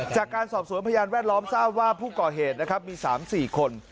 จากการสอบสวนพยานแวดล้อมทราบว่าผู้ก่อเหตุนะครับมี๓๔คน